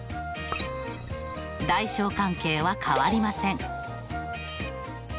大小関係は変わりません。